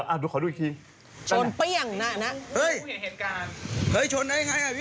เรียกเขาเจ็บหนากมากนะ